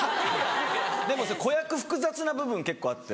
でも子役複雑な部分結構あって。